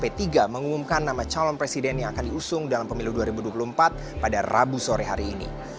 p tiga mengumumkan nama calon presiden yang akan diusung dalam pemilu dua ribu dua puluh empat pada rabu sore hari ini